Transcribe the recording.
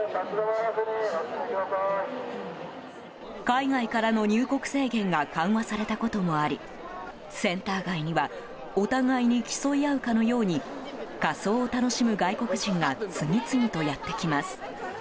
海外からの入国制限が緩和されたこともありセンター街にはお互いに競い合うかのように仮装を楽しむ外国人が次々とやってきます。